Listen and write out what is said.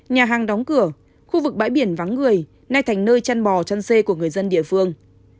nhà hàng đóng cửa khu vực bãi biển vắng người nay thành nơi chăn bò chăn c của người dân địa phương